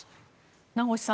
名越さん